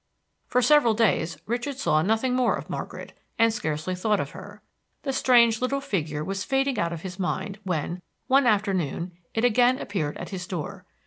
For several days Richard saw nothing more of Margaret, and scarcely thought of her. The strangle little figure was fading out of his mind, when, one afternoon, it again appeared at his door.